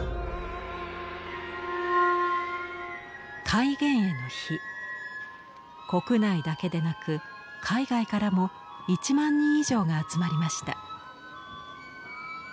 開眼会の日国内だけでなく海外からも１万人以上が集まりました。